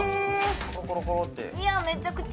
コロコロコロっていい！